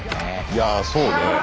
いやそうね。